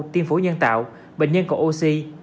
tiên phủ nhân tạo bệnh nhân có oxy